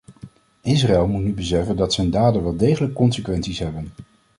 Israël moet nu beseffen dat zijn daden wel degelijk consequenties hebben.